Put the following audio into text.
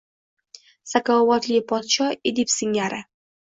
Zakovatli podsho Edip singari!